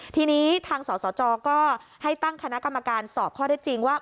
ทีนี้ทางสสจก็ให้ตั้งคณะกรรมการสอบข้อได้จริงว่า